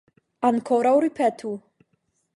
Ankoraŭ ripetu.